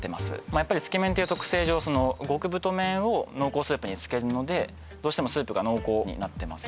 やっぱりつけ麺っていう特性上極太麺を濃厚スープにつけるのでどうしてもスープが濃厚になってます